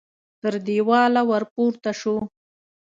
تر دېواله ور پورته شو.